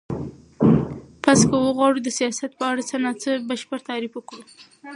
پس که وغواړو چی د سیاست په اړه څه نا څه بشپړ تعریف وکړو